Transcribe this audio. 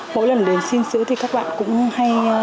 mỗi lần đến xin xứ thì các bạn cũng hay